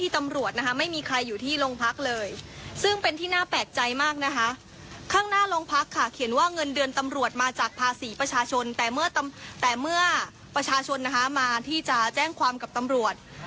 แต่เมื่อท่านมาที่จะแจ้งความตำรวจ